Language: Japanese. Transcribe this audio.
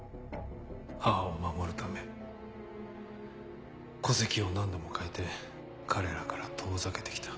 母を守るため戸籍を何度も変えて彼らから遠ざけて来た。